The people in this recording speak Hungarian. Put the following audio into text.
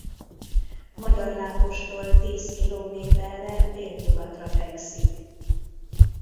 Magyarlápostól tíz kilométerre délnyugatra fekszik.